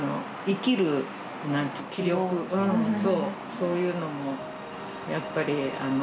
そういうのもやっぱり。